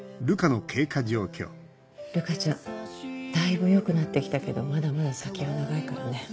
瑠香ちゃんだいぶよくなって来たけどまだまだ先は長いからね。